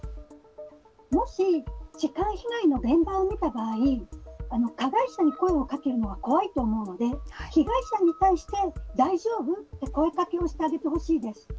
もし痴漢被害の現場を見た場合、加害者に声をかけるのは怖いと思うので被害者に対して大丈夫？と声かけをしてあげてほしいんです。